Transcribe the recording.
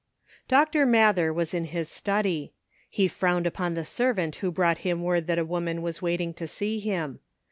DR. MATHER was in his study. He frowned upon the servant who brought him word that a woman was waiting to see him.